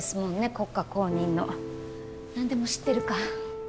国家公認の何でも知ってるかで？